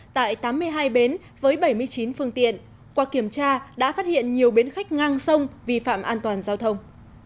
tại tám mươi hai bến với bảy mươi chín phương tiện qua kiểm tra đã phát hiện nhiều bến khách ngang sông vi phạm an toàn giao thông